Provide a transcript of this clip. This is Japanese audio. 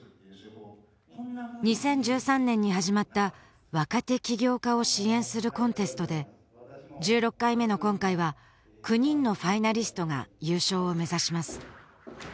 ２０１３年に始まった若手起業家を支援するコンテストで１６回目の今回は９人のファイナリストが優勝を目指します